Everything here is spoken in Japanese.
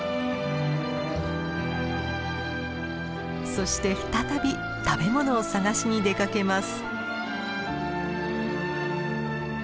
そして再び食べ物を探しに出かけます。